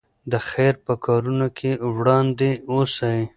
د خیر په کارونو کې وړاندې اوسئ.